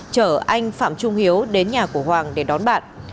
chở anh phạm trung hiếu đến nhà của hoàng để đón bạn